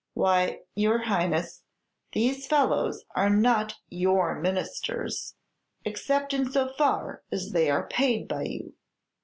Why, your Highness, these fellows are not your Ministers, except in so far as they are paid by you.